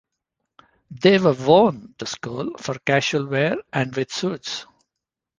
They were worn to school, for casual wear, and with suits.